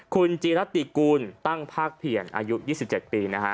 คุณจีรติกูลตั้งภาคเพียรอายุ๒๗ปีนะฮะ